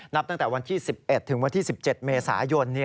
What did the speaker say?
ตั้งแต่วันที่๑๑ถึงวันที่๑๗เมษายน